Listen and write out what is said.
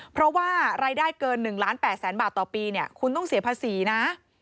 เพราะว่ารายได้เกิน๑ล้าน๘แสนบาทต่อปีเนี่ยคุณต้องเสียภาษีนะ